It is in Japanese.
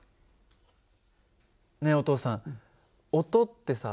ねえお父さん音ってさ